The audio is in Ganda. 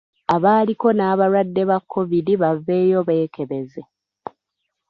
Abaaliko n'abalwadde ba kovidi baveeyo beekebeze.